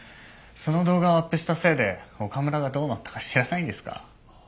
その動画をアップしたせいで岡村がどうなったか知らないんですか？